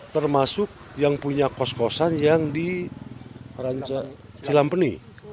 termasuk yang punya kos kosan yang di cilampeni